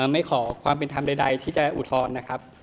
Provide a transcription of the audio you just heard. ไม่ขอความเป็นธรรมใดที่จะอุทธรณ์นะครับ